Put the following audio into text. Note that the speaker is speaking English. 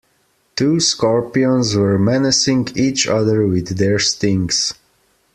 Two scorpions were menacing each other with their stings.